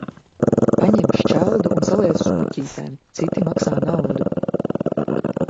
Paņem šķeldu un saliec uz puķītēm, citi maksā naudu.